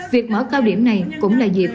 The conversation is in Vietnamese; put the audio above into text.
việc mở cao điểm này cũng là dịp